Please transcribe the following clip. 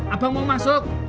abang mau masuk